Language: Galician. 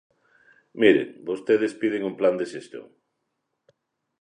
Miren, vostedes piden un plan de xestión.